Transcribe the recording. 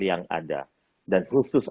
yang ada dan khusus